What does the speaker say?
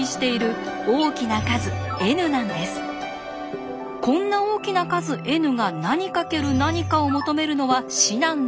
こんな大きな数Ｎが何かける何かを求めるのは至難の業。